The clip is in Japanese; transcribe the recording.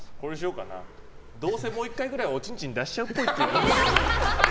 どうせもう１回ぐらいおちんちん出しちゃうっぽい。